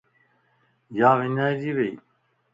ياوڃائيجي ويئيَ